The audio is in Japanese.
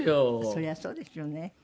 そりゃそうですよね。